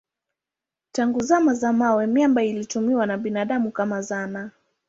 Tangu zama za mawe miamba ilitumiwa na binadamu kama zana.